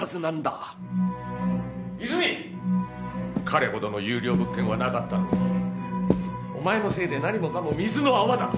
彼ほどの優良物件はなかったのにお前のせいで何もかも水の泡だ。